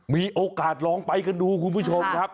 มีโอกาสลองไปกันดูคุณผู้ชมครับ